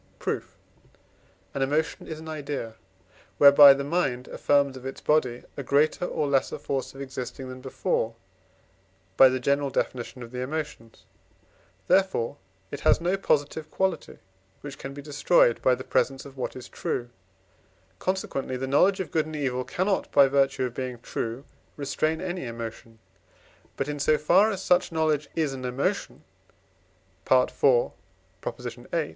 Proof. An emotion is an idea, whereby the mind affirms of its body a greater or less force of existing than before (by the general Definition of the Emotions); therefore it has no positive quality, which can be destroyed by the presence of what is true; consequently the knowledge of good and evil cannot, by virtue of being true, restrain any emotion. But, in so far as such knowledge is an emotion (IV. viii.)